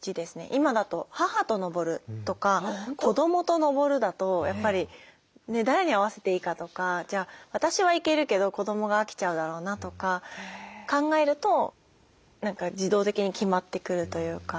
今だと母と登るとか子どもと登るだとやっぱりね誰に合わせていいかとかじゃあ私は行けるけど子どもが飽きちゃうだろうなとか考えると何か自動的に決まってくるというか。